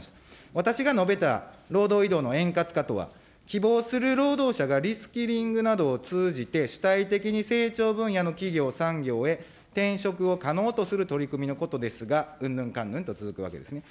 私が述べた労働移動の円滑化とは、希望する労働者がリスキリングなどを通じて、主体的に成長分野の企業、産業へ転職を可能とする取り組みのことですが、うんぬんかんぬんと続くわけですね。